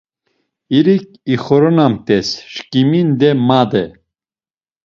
İrik ixoronamt̆es, şǩiminde made.